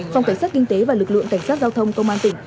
phòng cảnh sát kinh tế và lực lượng cảnh sát giao thông công an tỉnh